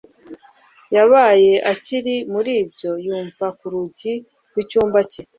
yabaye akiri muribyo yumva kurugi rwicyumba cye